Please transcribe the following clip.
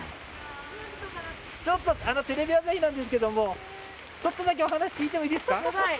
ちょっとテレビ朝日なんですけどもちょっとだけお話聞いてもいいですか？